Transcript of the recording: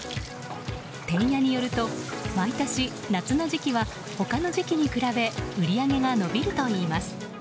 てんやによると毎年、夏の時期は他の時期に比べ売り上げが伸びるといいます。